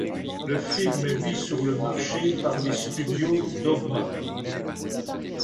Le film est mis sur le marché le par les studios Dogma.